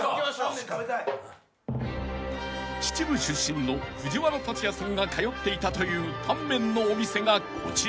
［秩父出身の藤原竜也さんが通っていたというタンメンのお店がこちら］